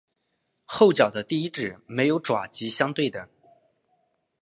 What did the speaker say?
后脚的第一趾没有爪及相对的。